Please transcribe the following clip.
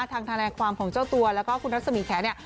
ทางฐานความของเจ้าตัวแล้วก็คุณรัฐสมีแขน